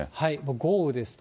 豪雨ですと。